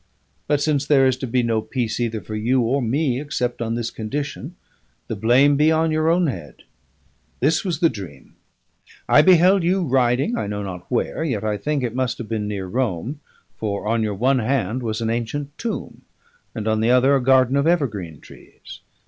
But since there is to be no peace either for you or me except on this condition, the blame be on your own head! This was the dream: I beheld you riding, I know not where, yet I think it must have been near Rome, for on your one hand was an ancient tomb, and on the other a garden of evergreen trees.